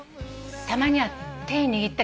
たまには手握ったり。